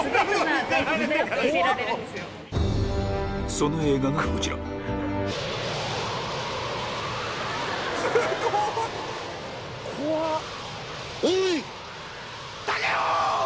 その映画がこちらおい！